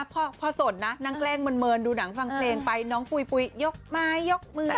พอสนนั้นแกล้งเหมือนดูหนังฟังเลนไปน้องปุยปุยยกไหมยกมือ